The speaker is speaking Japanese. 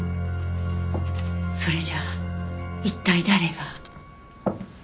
それじゃあ一体誰が？